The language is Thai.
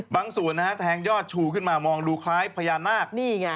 บางศูนย์นะฮะแทงยอดชูขึ้นมามองดูคล้ายพญานาค